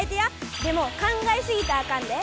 でも考えすぎたらあかんで。